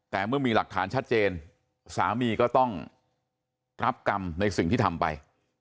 แต่เมื่อมีหลักฐานชัดเจนสามีก็ต้องรับกรรมในสิ่งที่ทำไป